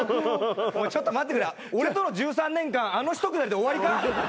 ちょっと待ってくれ俺との１３年間あのひとくだりで終わりか？